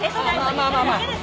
まあまあまあ。